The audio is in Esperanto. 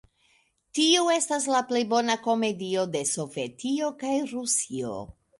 Tiu estas la plej bona komedio de Sovetio kaj Rusio!